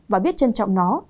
và biết trân trọng nó